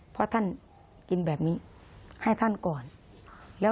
พระพุทธคือพระพุทธคือ